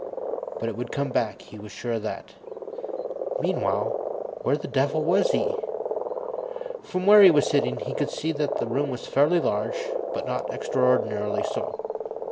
But it would come back; he was sure of that. Meanwhile, where the devil was he? From where he was sitting, he could see that the room was fairly large, but not extraordinarily so.